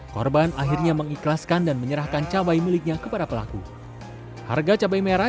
korban akhirnya mengikhlaskan dan menyerahkan cabai miliknya kepada pelaku harga cabai merah